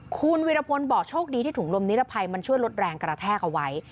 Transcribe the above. คุณวิรพลบอกโชคดีที่ถุงลมนิรภัยมันช่วยลดแรงกระแทกเอาไว้